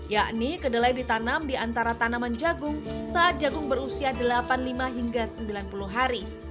yakni kedelai ditanam di antara tanaman jagung saat jagung berusia delapan puluh lima hingga sembilan puluh hari